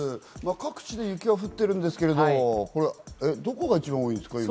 各地で雪が降ってるんですけれど、どこが一番多いですか？